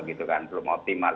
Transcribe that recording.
gitu kan belum optimal